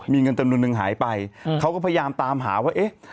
มีเงินจำนวนนึงหายไปเขาก็พยายามตามหาว่าเอ๊ะ